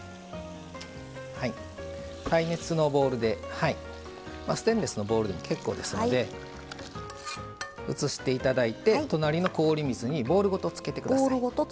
耐熱のボウルでステンレスのボウルでも結構ですので移していただいて、隣の氷水にボウルごと、つけてください。